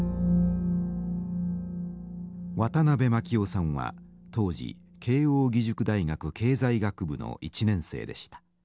渡辺夫さんは当時慶応義塾大学経済学部の１年生でした。